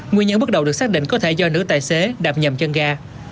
nguyên nhân bước đầu được xác định có thể do nữ tài xế đạp nhầm chân ga